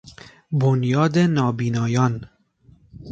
بنیاد نابینایان